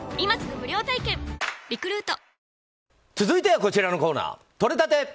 続いてはこちらのコーナーとれたて！